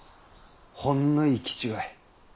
ほんの行き違い。